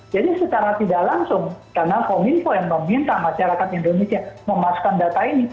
jadi secara tidak langsung karena kominfo yang meminta masyarakat indonesia memasukkan data ini